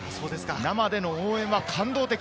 生での応援は感動的。